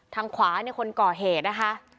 ทางขวาคนก่อเหนะคะ